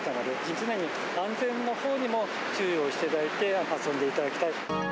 常に安全のほうにも注意をしていただいて、遊んでいただきたい。